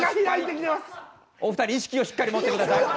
お二人意識をしっかり持って下さい。